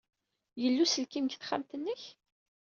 Yella uselkim deg texxamt-nnek?